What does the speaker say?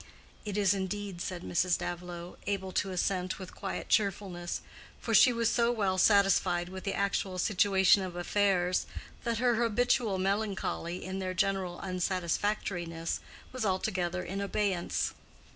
"It is indeed," said Mrs. Davilow, able to assent with quiet cheerfulness, for she was so well satisfied with the actual situation of affairs that her habitual melancholy in their general unsatisfactoriness was altogether in abeyance.